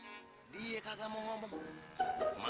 maap kalau kita kudu pake kekerasan